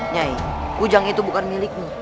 nyai kujang itu bukan milikmu